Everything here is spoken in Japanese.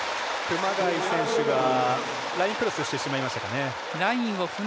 熊谷選手がラインクロスしてしまいました。